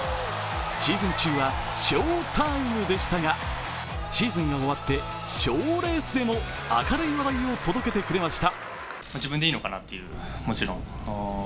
シーズン中は翔タイムでしたが、シーズンが終わって賞レースでも明るい話題を届けてくれました。